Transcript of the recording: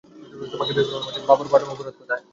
তোমাকে বিয়ে করানোর মাঝে তোমার বাবার অপরাধ কোথায়?